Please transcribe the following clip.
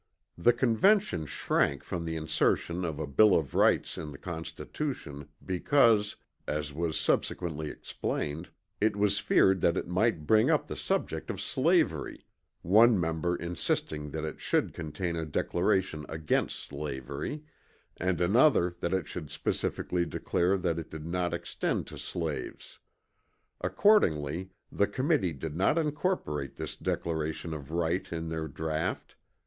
The Convention shrank from the insertion of a bill of rights in the Constitution because, as was subsequently explained, it was feared that it might bring up the subject of slavery, one member insisting that it should contain a declaration against slavery, and another that it should specifically declare that it did not extend to slaves. Accordingly the committee did not incorporate this declaration of right in their draught.